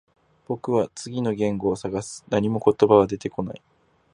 僕は次の言葉を探す。何も言葉は出てこない。